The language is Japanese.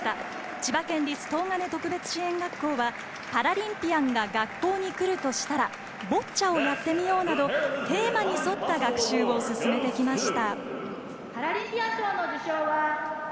千葉県立東金特別支援学校はパラリンピアンが学校に来るとしたらボッチャをやってみよう！などテーマに沿った学習を進めてきました。